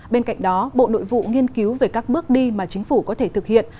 bên cạnh đó bộ nội vụ nghiên cứu về các bước đi mà chính phủ có thể thực hiện